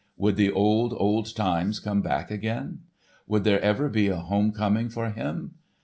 Would the old, old times come back again? Would there ever be a home coming for him?